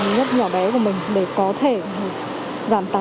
nhất nhỏ bé của mình để có thể giảm tăng